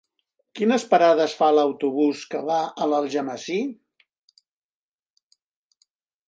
Quines parades fa l'autobús que va a Algemesí?